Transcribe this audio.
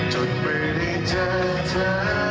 จนไม่ได้เจอเธอ